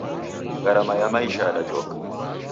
Gharama ya maisha yadajoka